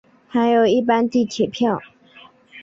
还有一般地铁票